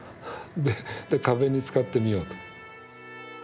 で壁に使ってみようと。